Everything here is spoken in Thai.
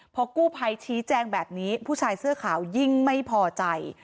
พอกู้ภัยชี้แจงแบบนี้ผู้ชายเสื้อขาวยิ่งไม่พอใจ